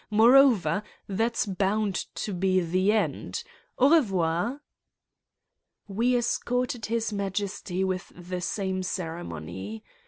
More over, that's bound to be the end! Au revoir!" We escorted His Majesty with the same cere mony.